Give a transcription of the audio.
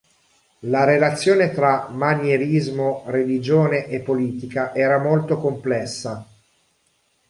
La relazione tra Manierismo, religione e politica era molto complessa.